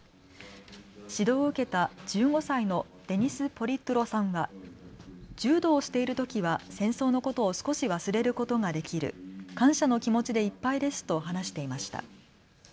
指導を受けた１５歳のデニス・ポリトゥロさんは柔道をしているときは戦争のことを少し忘れることができる、感謝の気持ちでいっぱいですと話していました。